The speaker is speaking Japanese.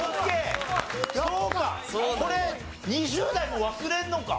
そうかこれ２０代も忘れるのか。